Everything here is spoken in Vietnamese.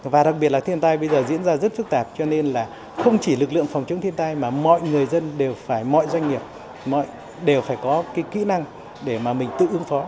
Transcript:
và đặc biệt là thiên tai bây giờ diễn ra rất phức tạp cho nên là không chỉ lực lượng phòng chống thiên tai mà mọi người dân đều phải mọi doanh nghiệp đều phải có cái kỹ năng để mà mình tự ứng phó